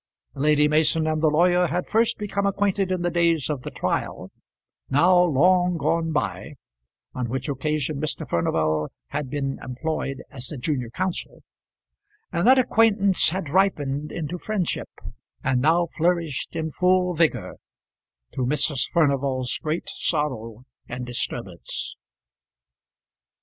Lady Mason and the lawyer had first become acquainted in the days of the trial, now long gone by, on which occasion Mr. Furnival had been employed as the junior counsel; and that acquaintance had ripened into friendship, and now flourished in full vigour, to Mrs. Furnival's great sorrow and disturbance.